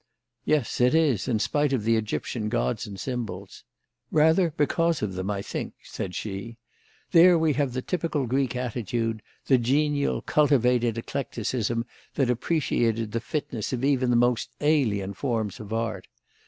"Yes, it is, in spite of the Egyptian gods and symbols." "Rather because of them, I think," said she. "There we have the typical Greek attitude, the genial, cultivated eclecticism that appreciated the fitness of even the most alien forms of art.